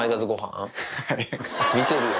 見てるよ。